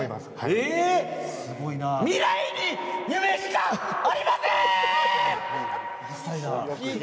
未来に夢しかありません！